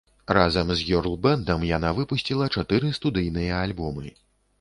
Разам з гёрл-бэндам яна выпусціла чатыры студыйныя альбомы.